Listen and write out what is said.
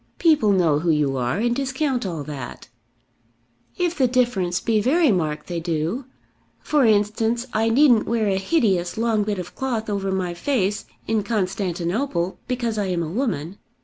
"People know who you are, and discount all that." "If the difference be very marked they do. For instance, I needn't wear a hideous long bit of cloth over my face in Constantinople because I am a woman.